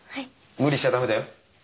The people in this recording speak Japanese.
無理しちゃ駄目だよ。